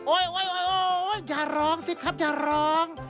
โอ๊ยอย่าร้องสิครับอย่าร้อง